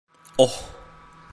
Oh…